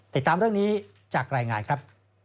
ติดตามเรื่องนี้จากรายงานครับ